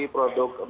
produk benda lain